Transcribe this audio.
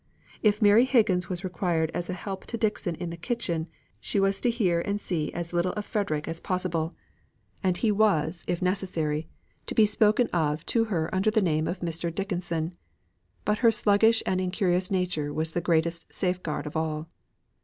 If Mary Higgins was required as a help to Dixon in the kitchen, she was to hear and see as little of Frederick as possible; and he was, if necessary, to be spoken of to her under the name of Mr. Dickinson. But her sluggish and incurious nature was the greatest safeguard of all.